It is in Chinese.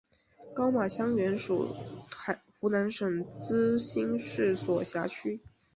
高码乡原属湖南省资兴市所辖乡。